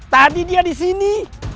tadi dia disini